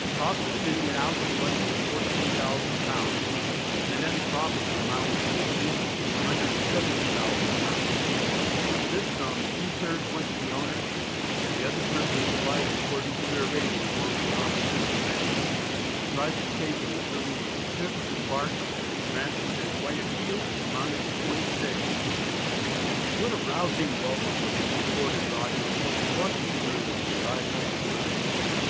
The cost of fitting it out was less than £14,000 and the net profits amounted to at least £170,000. Of this sum, two thirds went to the owners, and the other third was divided, according to their rating, among the officers and men. The prizes taken, including the ships and barks ransomed at Guiaquil, amounted to twenty sail. A rousing welcome must have been accorded Rogers and his plucky crew when they arrived home in Bristol.